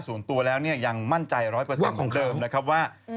ส่วนตัวแล้วเนี่ยยังมั่นใจ๑๐๐ของเดิมนะครับว่า